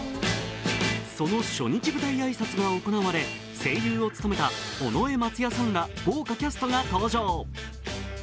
その初日舞台挨拶が行われ声優を務めた尾上松也さんら豪華キャストが登場。